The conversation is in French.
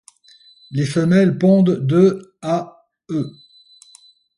Les femelles pondent de à œufs.